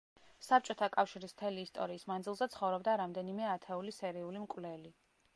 საბჭოთა კავშირის მთელი ისტორიის მანძილზე ცხოვრობდა რამდენიმე ათეული სერიული მკვლელი.